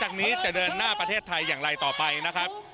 จากนี้จะเดินหน้าประเทศไทยอย่างไรต่อไปนะครับ